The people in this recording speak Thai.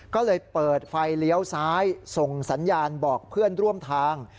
ก็เลยเปิดไฟเลี้ยวซ้ายส่งสัญญาณบอกเพื่อนร่วมทาง